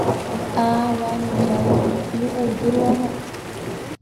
Аа уанаџьалбеит, иҟоу удыруама?